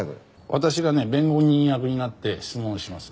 私がね弁護人役になって質問をします。